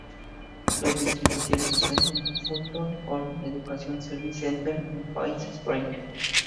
El distrito tiene su sede en el Fulton-Holland Educational Services Center en Palm Springs.